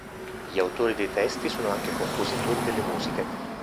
Gli autori dei testi sono anche compositori delle musiche.